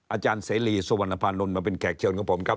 อาจารย์เสรีสุวรรณภานนท์มาเป็นแขกเชิญของผมครับ